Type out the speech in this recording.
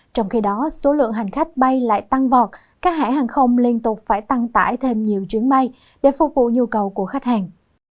trong khi đó số lượng hành khách bay lại tăng vọt các hãng hàng không liên tục phải tăng tải thêm nhiều chuyến bay để phục vụ nhu cầu của khách hàng